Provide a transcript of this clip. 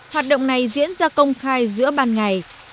hoạt động này diễn ra công khai giữa ban ngày